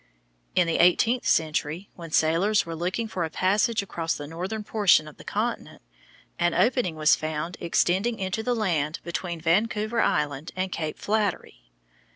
In the eighteenth century, when sailors were looking for a passage across the northern portion of the continent, an opening was found extending into the land between Vancouver Island and Cape Flattery.